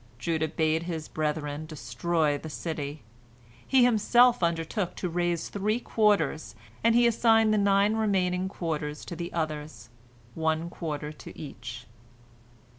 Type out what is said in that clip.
Judah bade his brethren destroy the city; he himself undertook to raze three quarters, and he assigned the nine remaining quarters to the others, one quarter to each.